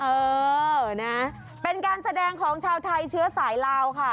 เออนะเป็นการแสดงของชาวไทยเชื้อสายลาวค่ะ